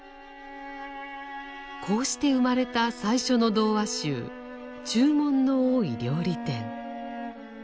こうして生まれた最初の童話集「注文の多い料理店」。